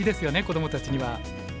子どもたちには。